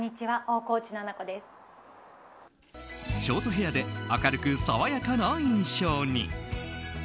ショートヘアで明るく爽やかな印象に。